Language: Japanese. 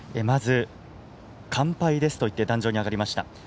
まず完敗ですといって壇上に上がりました。